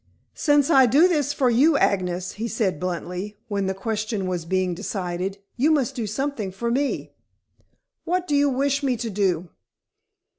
"Since I do this for you, Agnes," he said bluntly, when the question was being decided, "you must do something for me." "What do you wish me to do?"